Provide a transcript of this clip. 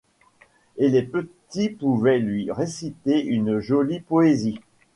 Et les petits pouvaient lui réciter une jolie poésie.